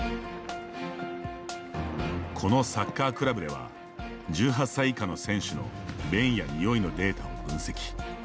このサッカークラブでは１８歳以下の選手の便やにおいのデータを分析。